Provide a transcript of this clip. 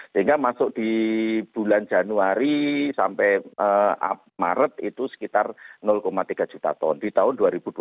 sehingga masuk di bulan januari sampai maret itu sekitar tiga juta ton di tahun dua ribu dua puluh satu